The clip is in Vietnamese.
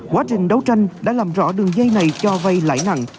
quá trình đấu tranh đã làm rõ đường dây này cho vay lãi nặng